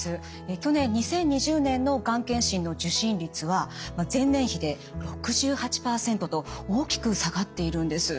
去年２０２０年のがん検診の受診率は前年比で６８％と大きく下がっているんです。